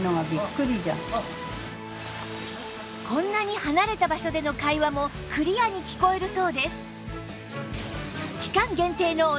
こんなに離れた場所での会話もクリアに聞こえるそうです